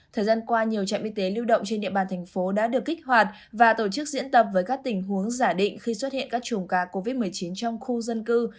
thời gian qua nhiều trạm y tế lưu động trên địa bàn thành phố đã được kích hoạt và tổ chức diễn tập với các tình huống giả định khi xuất hiện các chùm ca covid một mươi chín trong khu dân cư